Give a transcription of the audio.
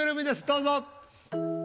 どうぞ。